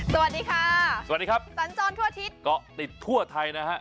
สวัสดีค่ะสวัสดีครับตัญจรทั่วอาทิตย์